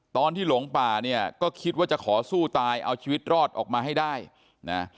หลงป่าเนี่ยก็คิดว่าจะขอสู้ตายเอาชีวิตรอดออกมาให้ได้นะ